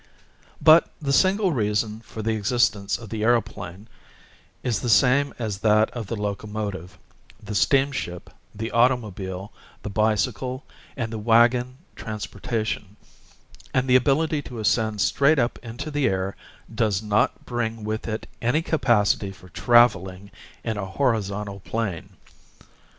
But the single reason for the existence of the aeroplane is the same as that of the locomotive, the steam ship, the automobile, the bicycle, and the wagon â€" transportation â€" and the ability to ascend straight up into the air does not bring with it any capacity for traveling in a horizontal plane.